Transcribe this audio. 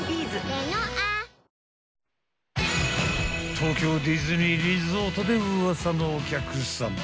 東京ディズニーリゾートでウワサのお客さま。